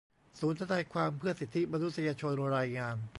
ศูนย์ทนายความเพื่อสิทธิมนุษยชน รายงาน